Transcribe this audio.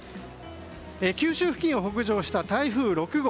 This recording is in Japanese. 九州付近を北上した台風６号。